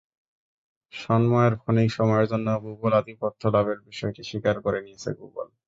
সন্ময়ের ক্ষণিক সময়ের জন্য গুগল আধিপত্য লাভের বিষয়টি স্বীকার করে নিয়েছে গুগল।